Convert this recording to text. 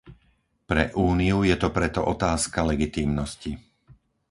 Pre Úniu je to preto otázka legitímnosti.